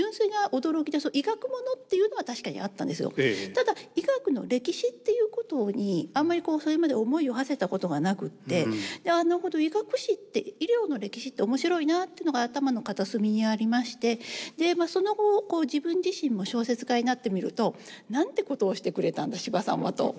ただ医学の歴史っていうことにあんまりそれまで思いをはせたことがなくて医学史って医療の歴史って面白いなっていうのが頭の片隅にありましてその後こう自分自身も小説家になってみると何てことをしてくれたんだ司馬さんはと。